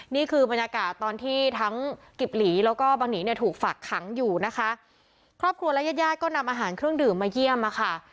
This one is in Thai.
นี่คือบรรยากาศตอนที่ทั้งกิบหลีแล้วก็บังหนีเนี่ยถูกฝากขังอยู่นะคะครอบครัวและญาติญาติก็นำอาหารเครื่องดื่มมาเยี่ยมอ่ะค่ะ